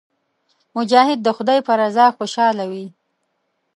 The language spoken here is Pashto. مجاهد د خدای په رضا خوشاله وي.